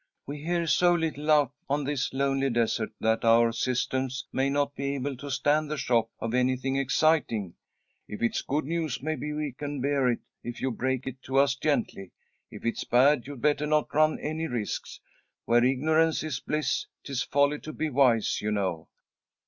"We hear so little out on this lonely desert, that our systems may not be able to stand the shock of anything exciting. If it's good news, maybe we can bear it, if you break it to us gently. If it's bad, you'd better not run any risks. 'Where ignorance is bliss, 'tis folly to be wise,' you know."